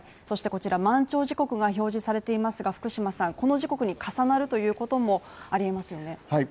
そしてこちら満潮時刻が表示されていますが福島さん、この時刻に重なるということもありますよね。